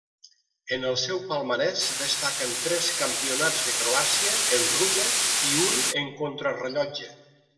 En el seu palmarès destaquen tres Campionats de Croàcia en ruta i un en contrarellotge.